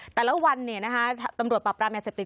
แต่ละวันเนี่ยนะคะตำรวจปรับปรามยาเสพติด